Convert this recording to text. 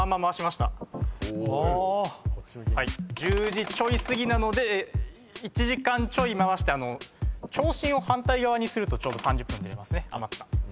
１０時ちょいすぎなので１時間ちょい回して長針を反対側にするとちょうど３０分ずれますね。